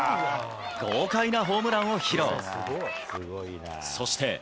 豪快なホームランを披露。